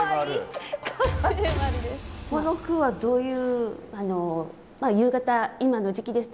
この句はどういう？